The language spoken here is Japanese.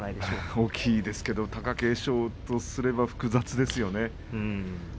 大きいですけど貴景勝とすれば複雑ですよね。